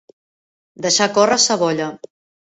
Deixar córrer sa bolla.